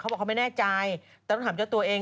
เขาบอกไม่แน่ใจแต่น้องถามกับตัวเอง